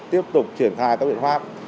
tiếp tục triển khai các biện pháp